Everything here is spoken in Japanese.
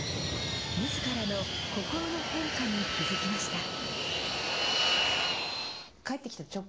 みずからの心の変化に気付きました。